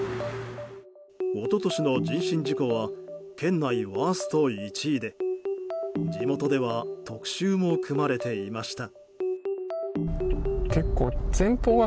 一昨年の人身事故は県内ワースト１位で地元では特集も組まれていました。